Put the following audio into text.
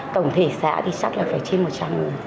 tổng thể xã thì chắc là phải trên một trăm linh người